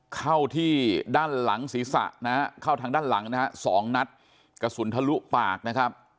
เข้าที่ด้านหลังศีรษะนะฮะเข้าทางด้านหลังนะฮะสองนัดกระสุนทะลุปากนะครับ